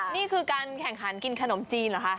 นี่คือการแข่งขันกินขนมจีนเหรอคะ